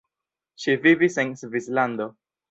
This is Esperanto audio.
Ŝi vivis en Svislando.